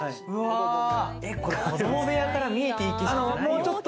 子供部屋から見えていい景色じゃない。